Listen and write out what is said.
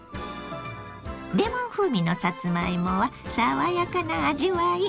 レモン風味のさつまいもは爽やかな味わい。